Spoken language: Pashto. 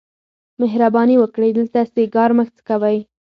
مهرباني وکړئ دلته سیګار مه څکوئ.